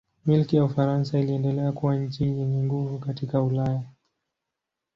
Milki ya Ufaransa iliendelea kuwa nchi yenye nguvu katika Ulaya.